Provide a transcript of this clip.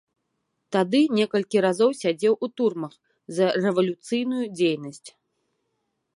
Тады некалькі разоў сядзеў у турмах за рэвалюцыйную дзейнасць.